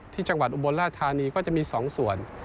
จังหวัดอุบลราชธานีก็จะมี๒ส่วน